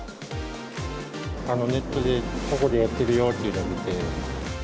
ネットでここでやってるよっていうのを見て。